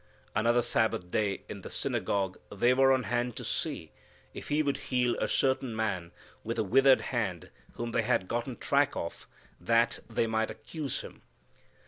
Another Sabbath day in the synagogue they were on hand to see if He would heal a certain man with a whithered hand whom they had gotten track of, "that they might accuse Him."